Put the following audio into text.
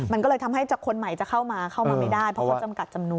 มันก็เลยทำให้คนใหม่จะเข้ามาเข้ามาไม่ได้เพราะเขาจำกัดจำนวน